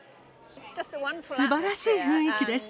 すばらしい雰囲気です。